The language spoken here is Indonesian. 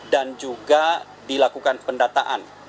dan juga dilakukan pendataan